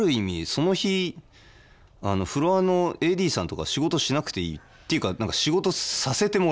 その日フロアのＡＤさんとか仕事しなくていいっていうか仕事させてもらえないみたいな。